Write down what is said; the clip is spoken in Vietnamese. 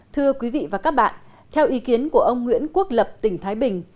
thưa quý vị và các bạn theo ý kiến của ông nguyễn quốc lập tỉnh thái bình